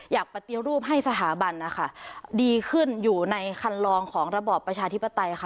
อยากปฏิรูปให้สถาบันนะคะดีขึ้นอยู่ในคันลองของระบอบประชาธิปไตยค่ะ